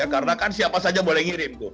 karena kan siapa saja boleh ngirim